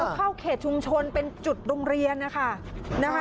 เข้าเขตชุมชนเป็นจุดโรงเรียนนะคะ